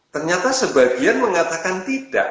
ternyata sebagian mengatakan tidak